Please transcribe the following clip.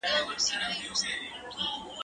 کتابونه د زده کوونکي له خوا وړل کيږي،